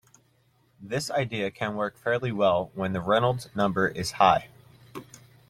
This idea can work fairly well when the Reynolds number is high.